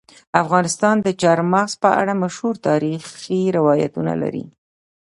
افغانستان د چار مغز په اړه مشهور تاریخی روایتونه لري.